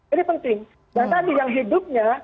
ini penting dan tadi yang hidupnya